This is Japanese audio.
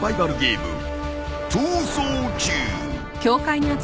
［逃走中］